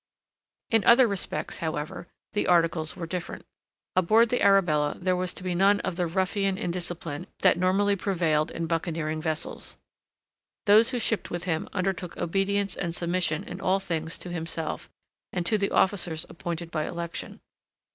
In other respects, however, the articles were different. Aboard the Arabella there was to be none of the ruffianly indiscipline that normally prevailed in buccaneering vessels. Those who shipped with him undertook obedience and submission in all things to himself and to the officers appointed by election.